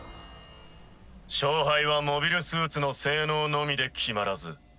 勝敗はモビルスーツの性能のみで決まらず。